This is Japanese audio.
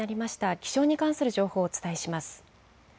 気象に関する情報をお伝えします。